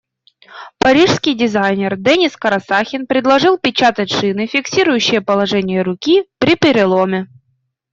Парижский дизайнер Дениз Карасахин предложил печатать шины, фиксирующие положение руки при переломе.